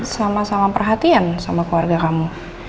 sama sama perhatian sama keluarga kamu